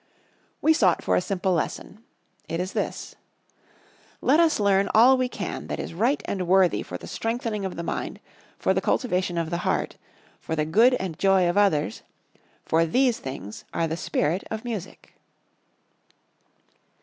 We sought for a simple lesson. It is this: Let us learn all we can that is right and worthy for the strengthening of the mind, for the cultivation of the heart, for the good and joy of others; for these things are the spirit of music.